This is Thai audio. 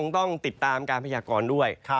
ต้องติดตามการพยากรด้วย